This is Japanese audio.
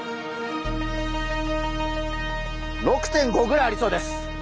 ６．５ぐらいありそうです。